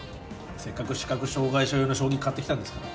せっかく視覚障害者用の将棋を買ってきたんですから。